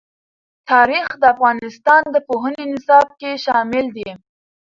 تاریخ د افغانستان د پوهنې نصاب کې شامل دي.